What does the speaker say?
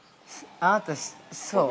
◆あなた、そう？